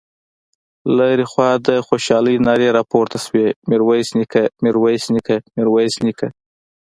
له هرې خوا د خوشالۍ نارې راپورته شوې: ميرويس نيکه، ميرويس نيکه، ميرويس نيکه….